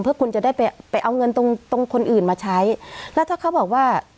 เพื่อคุณจะได้ไปไปเอาเงินตรงตรงคนอื่นมาใช้แล้วถ้าเขาบอกว่า